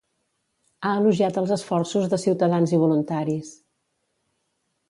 Ha elogiat els esforços de ciutadans i voluntaris.